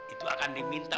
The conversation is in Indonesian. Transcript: itu akan diminta